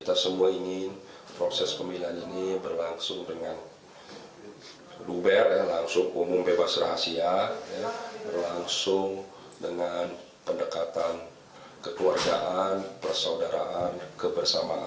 kita semua ingin proses pemilihan ini berlangsung dengan luber langsung umum bebas rahasia berlangsung dengan pendekatan kekeluargaan persaudaraan kebersamaan